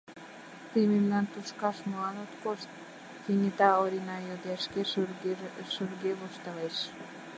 — Тый мемнан тушкаш молан от кошт? — кенета Орина йодеш, шке шырге воштылеш.